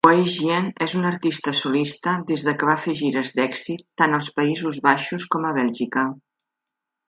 Boeijen és un artista solista des que va fer gires d'èxit tant als Països baixos com a Bèlgica.